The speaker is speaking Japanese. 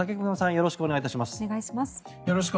よろしくお願いします。